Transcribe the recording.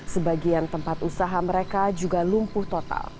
sebagian tempat usaha mereka juga lumpuh total